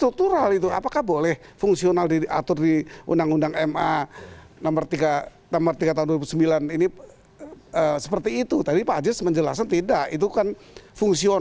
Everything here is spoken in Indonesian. kita kan tidak kita distribusi